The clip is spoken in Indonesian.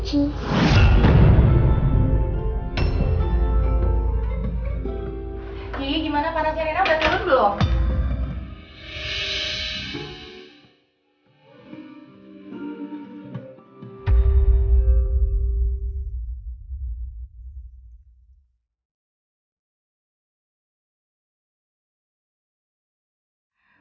kiki gimana panasnya reina udah terlalu belum